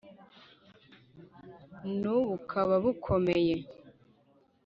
N'ubukaka bukomeye